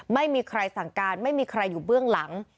ไม่มีใครสั่งการไม่มีใครอยู่เบื้องหลัง